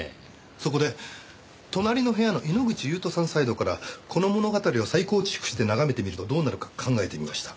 そこで隣の部屋の猪口勇人さんサイドからこの物語を再構築して眺めてみるとどうなるか考えてみました。